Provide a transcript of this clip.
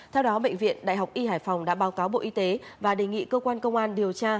theo đó bệnh viện đại học y hải phòng đã báo cáo bộ y tế và đề nghị cơ quan công an điều tra